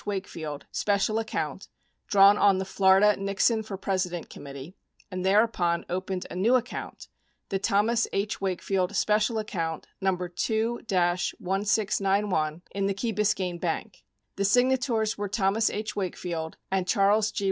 Wakefield — special account, drawn on the Florida Nixon for President Committee, and thereupon opened a new account, the Thomas H. Wakefield— special account No. 2 1691 in the Key Biscayne Bank. 19 The signators were Thomas H. Wakefield and Charles G.